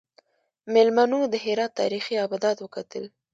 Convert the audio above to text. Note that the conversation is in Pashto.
میلمنو د هرات تاریخي ابدات وکتل.